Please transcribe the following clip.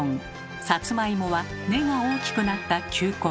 さつまいもは根が大きくなった球根。